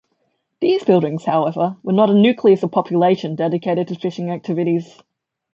These buildings, however, were not a nucleus of population dedicated to fishing activities.